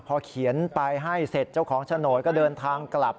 พอเขียนไปให้เสร็จเจ้าของโฉนดก็เดินทางกลับ